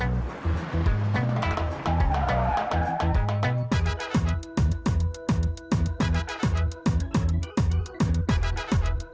aduh gimana nih